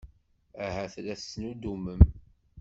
Ahat la tettnuddumem.